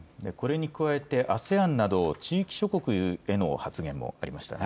これに加えてＡＳＥＡＮなど地域諸国への発言もありました。